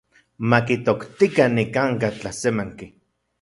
Makitoktikan nikanka’ tlasemanki.